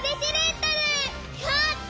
やった！